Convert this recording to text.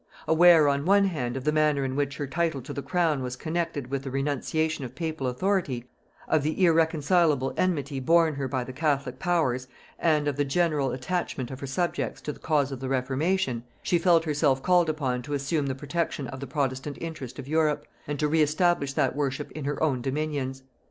Aware on one hand of the manner in which her title to the crown was connected with the renunciation of papal authority, of the irreconcileable enmity borne her by the catholic powers, and of the general attachment of her subjects to the cause of the reformation, she felt herself called upon to assume the protection of the protestant interest of Europe, and to re establish that worship in her own dominions.